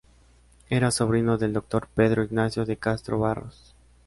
Era sobrino del doctor Pedro Ignacio de Castro Barros.